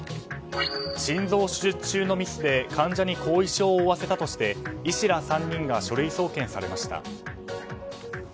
心臓手術中のミスで患者に後遺症を負わせたとして医師ら３人が書類送検されました。